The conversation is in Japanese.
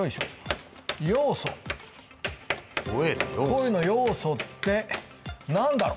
声の要素って何だろ？